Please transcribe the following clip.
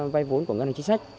vay vốn của ngân hàng chính sách